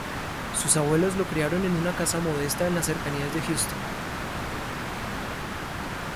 Sus abuelos lo criaron en una casa modesta en las cercanías de Houston.